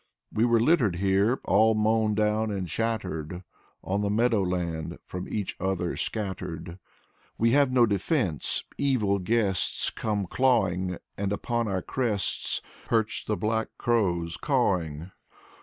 We were Uttered here. All mown down and shattered, On the meadowland From each other scattered. We have no defense: Evil guests come clawing — And upon our crests Perch the black crows, cawing.